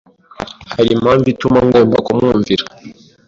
Hari impamvu ituma ngomba kumwumvira?